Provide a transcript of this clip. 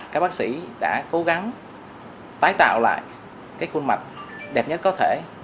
các bác sĩ đã cố gắng tái tạo lại cái khuôn mặt đẹp nhất có thể